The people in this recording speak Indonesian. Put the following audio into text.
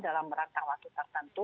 dalam berangkat waktu tertentu